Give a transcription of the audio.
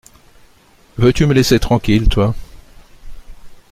Veux-tu me laisser tranquille, toi !